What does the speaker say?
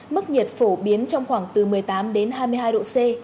mức nhiệt phổ biến trong khoảng từ một mươi tám đến hai mươi hai độ c